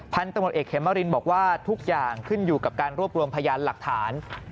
พันธุ์ตำรวจเอกเขมรินบอกว่าทุกอย่างขึ้นอยู่กับการรวบรวมพยานหลักฐาน